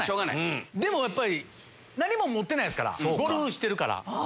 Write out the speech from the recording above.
でも何も持ってないですからゴルフしてるから。